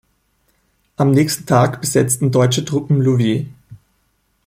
Am nächsten Tag besetzten deutsche Truppen Louviers.